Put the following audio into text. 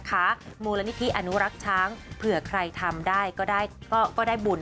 เช่นกันนะคะมูลนิธิตอนุรักษ์ท้องเผื่อใครทำก็ได้บุญ